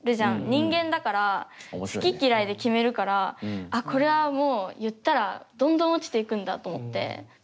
人間だから好き嫌いで決めるからあっこれはもう言ったらどんどん落ちていくんだと思って。